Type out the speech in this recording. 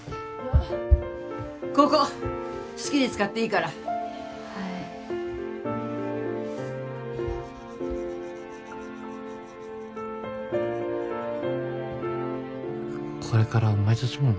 ここ好きに使っていいからはいこれからお前と住むの？